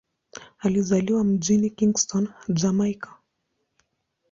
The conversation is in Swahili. Alizaliwa mjini Kingston, Jamaika.